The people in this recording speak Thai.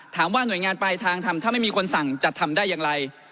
หน่วยงานปลายทางทำถ้าไม่มีคนสั่งจะทำได้อย่างไร